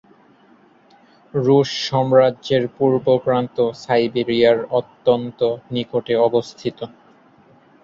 রুশ সাম্রাজ্যের পূর্ব প্রান্ত সাইবেরিয়ার অত্যন্ত নিকটে অবস্থিত।